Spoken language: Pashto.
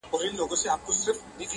نڅول چي یې سورونو د کیږدیو سهارونه!!